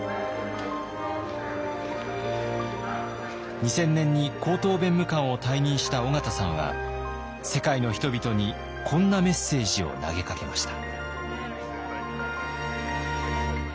２０００年に高等弁務官を退任した緒方さんは世界の人々にこんなメッセージを投げかけました。